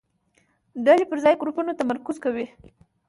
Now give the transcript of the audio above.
ډلې پر ځای ګروپونو تمرکز کوي.